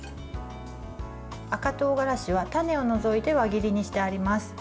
赤とうがらしは種を除いて輪切りにしてあります。